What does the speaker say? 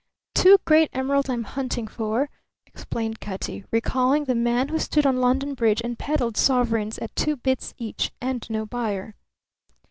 "Two great emeralds I'm hunting for," explained Cutty, recalling the man who stood on London Bridge and peddled sovereigns at two bits each, and no buyer.